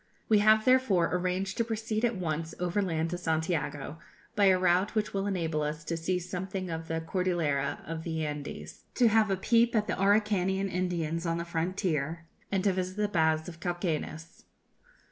We have therefore arranged to proceed at once overland to Santiago, by a route which will enable us to see something of the Cordillera of the Andes, to have a peep at the Araucanian Indians on the frontier, and to visit the baths of Cauquenes.